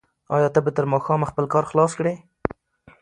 آیا ته به تر ماښامه خپل کار خلاص کړې؟